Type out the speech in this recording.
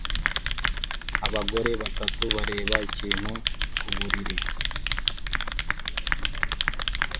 Abagore batatu bareba ikintu ku buriri